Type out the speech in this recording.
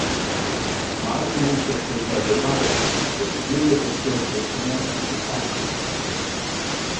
Modern researchers are divided the degree of the Church's connection to fascism.